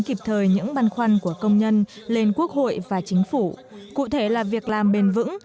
kịp thời những băn khoăn của công nhân lên quốc hội và chính phủ cụ thể là việc làm bền vững